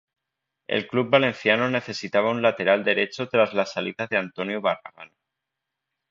El club valenciano necesitaba un lateral derecho tras la salida de Antonio Barragán.